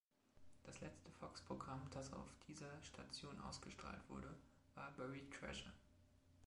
Das letzte Fox-Programm, das auf dieser Station ausgestrahlt wurde, war „Buried Treasure“.